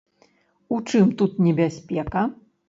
У чым тут небяспека?